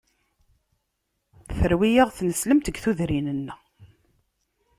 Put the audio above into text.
Terwi-aɣ tineslemt deg tudrin-nneɣ.